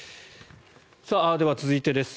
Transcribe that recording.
では、続いてです。